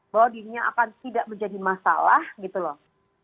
bahwa dirinya akan tidak menjadi masalah gitu loh